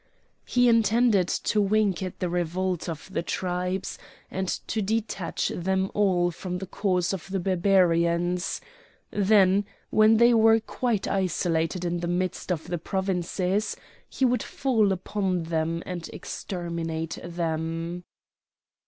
He intended first to wink at the revolt of the tribes and to detach them all from the cause of the Barbarians; then when they were quite isolated in the midst of the provinces he would fall upon them and exterminate them.